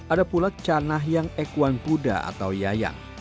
ada pula chanah hyang ekwan puda atau yayang